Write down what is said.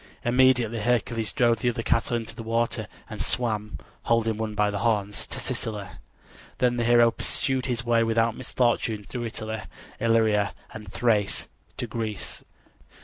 Immediately Hercules drove the other cattle into the water and swam, holding one by the horns, to Sicily. Then the hero pursued his way without misfortune through Italy, Illyria and Thrace to Greece.